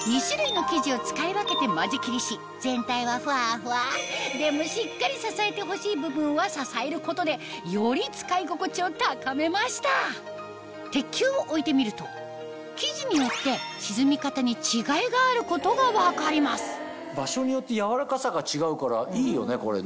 今回て間仕切りし全体はふわふわでもしっかり支えてほしい部分は支えることでより使い心地を高めました生地によって沈み方に違いがあることが分かります場所によって柔らかさが違うからいいよねこれね。